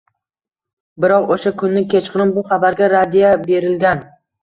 Biroq o‘sha kuni kechqurun bu xabarga raddiya berilgan